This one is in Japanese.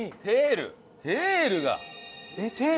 テールが。